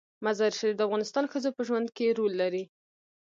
مزارشریف د افغان ښځو په ژوند کې رول لري.